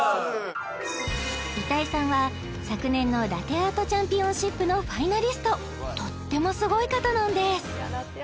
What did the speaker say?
板井さんは昨年のラテアートチャンピオンシップのファイナリストとってもすごい方なんです